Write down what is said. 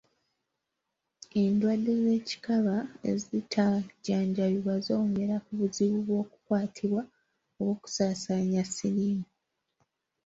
Endwadde z’ekikaba ezitajjanjabiddwa zongera ku buzibu bw’okukwatibwa oba okusaasaanya siriimu.